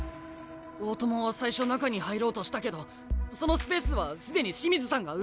大友は最初中に入ろうとしたけどそのスペースは既に清水さんが埋めてた。